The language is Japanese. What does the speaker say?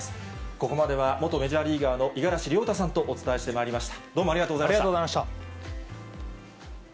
ここまでは、元メジャーリーガーの五十嵐亮太さんとお伝えしてまいりました。